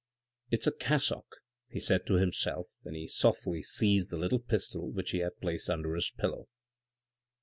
" It's a cassock," he said to himself and he softly seized the little pistol which he had placed under his pillow.